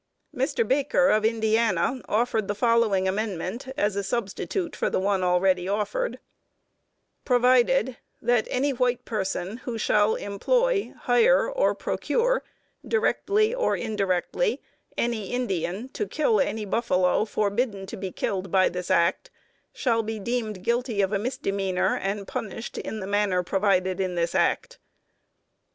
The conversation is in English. Mr. Baker, of Indiana, offered the following amendment as a substitute for the one already offered: Provided, That any white person who shall employ, hire, or procure, directly or indirectly, any Indian to kill any buffalo forbidden to be killed by this act, shall be deemed guilty of a misdemeanor and punished in the manner provided in this act.